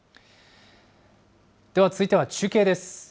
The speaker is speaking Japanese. では続いては中継です。